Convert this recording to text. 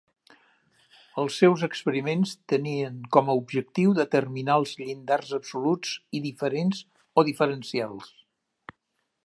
Els seus experiments tenien com a objectiu determinar els llindars absoluts i diferents, o diferencials.